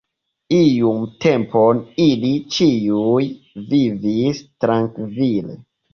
Iun tempon ili ĉiuj vivis trankvile.